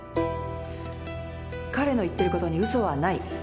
彼の言ってることに嘘はない。